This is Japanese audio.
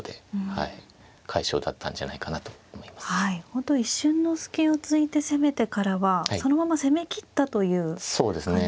本当一瞬の隙をついて攻めてからはそのまま攻めきったという感じですよね。